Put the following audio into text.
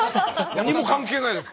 何も関係ないです